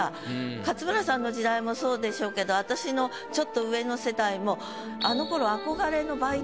勝村さんの時代もそうでしょうけど私のちょっと上の世代も。